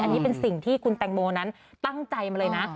อันนี้เป็นสิ่งที่คุณแตงโมนั้นตั้งใจมาเลยนะ